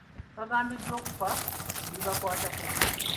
Baagambiddwa okufa ku bibakwatako.